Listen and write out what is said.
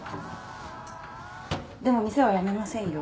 でも店は辞めませんよ。